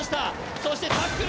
そしてタックル。